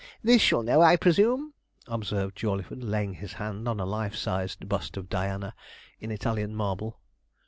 This you'll know, I presume?' observed Jawleyford, laying his hand on a life size bust of Diana, in Italian marble.